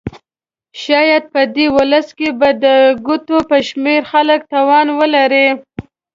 شاید په دې ولس کې به د ګوتو په شمېر خلک توان ولري.